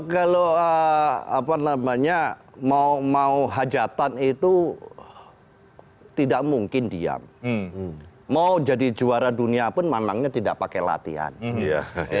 kalau apa namanya mau hajatan itu tidak mungkin diam mau jadi juara dunia pun memangnya tidak pakai latihan